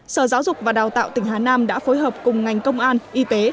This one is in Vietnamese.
sở giáo dục và đào tạo tỉnh hà nam đã phối hợp cùng ngành công an y tế